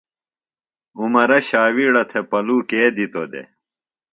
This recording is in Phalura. عمرہ شاویڑہ تھےۡ پلو کے دِتو دےۡ؟